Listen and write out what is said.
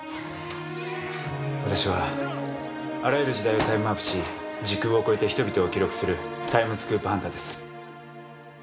私はあらゆる時代をタイムワープし時空をこえて人々を記録するタイムスクープハンターです。